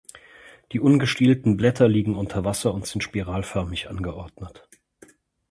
Die ungestielten Blätter liegen unter Wasser und sind spiralförmig angeordnet.